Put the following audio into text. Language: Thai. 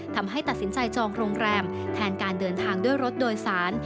ทำให้ตัดสินใจจองโรงแรมแทนการเดินทางด้วยรถโดยสาร